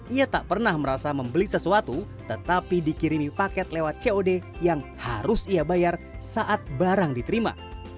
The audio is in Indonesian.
ia tak pernah merasa membeli sesuatu tetapi dikirimi paket lewat cod yang harus ia bayar saat barang diterima